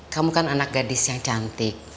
kamu kan anak gadis yang cantik